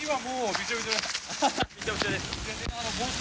びちょびちょです。